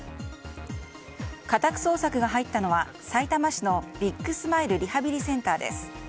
家宅捜索が入ったのはさいたま市のビッグスマイルリハビリセンターです。